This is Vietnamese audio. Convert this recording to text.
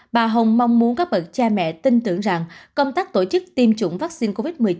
bà hồng mong muốn các bậc cha mẹ tin tưởng rằng công tác tổ chức tiêm chủng vaccine covid một mươi chín